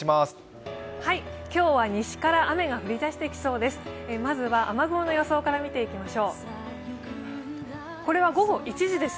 今日は西から雨が降り出してきそうです。